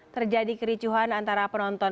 terjadi kericuhan antara penonton